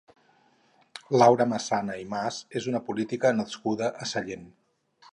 Laura Massana i Mas és una política nascuda a Sallent.